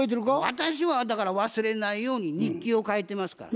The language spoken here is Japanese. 私はだから忘れないように日記を書いてますから。